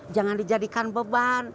jangan dijadikan beban